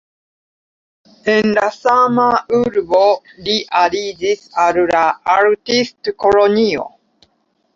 En la sama urbo li aliĝis al la artistkolonio.